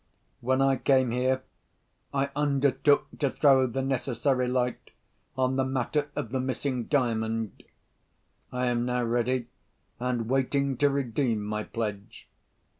"When I came here, I undertook to throw the necessary light on the matter of the missing Diamond. I am now ready, and waiting to redeem my pledge.